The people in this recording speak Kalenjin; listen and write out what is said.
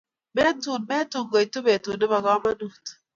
Metun, metun , koitu betut ne bo komonut.